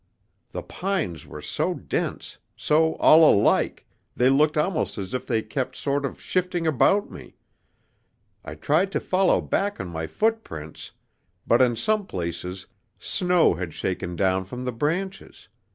The pines were so dense, so all alike, they looked almost as if they kept sort of shifting about me. I tried to follow back on my footprints, but in some places snow had shaken down from the branches.